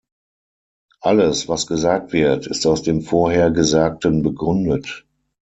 Alles, was gesagt wird, ist aus dem vorher Gesagten begründet.